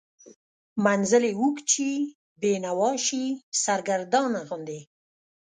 منزل یې اوږد شي، بینوا شي، سرګردانه غوندې